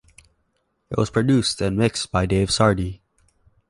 It was produced and mixed by Dave Sardy.